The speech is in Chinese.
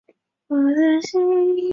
毕业于华南热作大学热作专业。